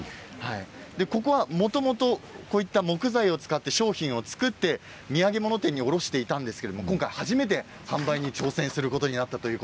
ここは、もともとこういった木材を使って商品を作って土産物店に卸していたんですが今回、初めて販売に挑戦するそうです。